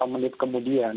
yang untung adalah